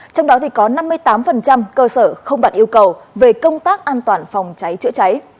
trong đó có năm mươi tám cơ sở không đoạn yêu cầu về công tác an toàn phòng trái trợi trái